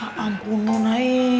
ya ampun nona